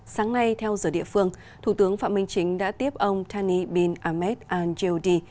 sáng nay theo giờ địa phương thủ tướng phạm minh chính đã tiếp ông tani bin ahmed al jaudi